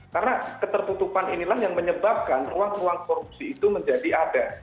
karena keterputupan inilah yang menyebabkan ruang ruang korupsi itu menjadi ada